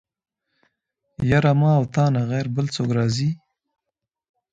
يره ما او تانه غير بل څوک راځي.